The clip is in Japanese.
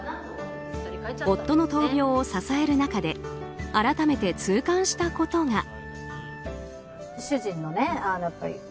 夫の闘病を支える中で改めて痛感したことが。